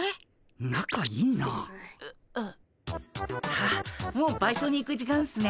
あっもうバイトに行く時間っすね。